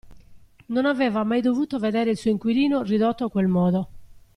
Non aveva mai dovuto vedere il suo inquilino ridotto a quel modo.